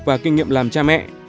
và kinh nghiệm làm cha mẹ